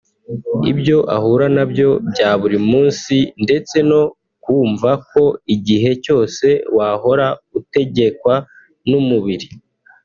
ibyo ahura nabyo bya buri munsi ndetse no kumva ko igihe cyose wahora utegekwa n’umubiri